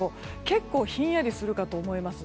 結構ひんやりするかと思います。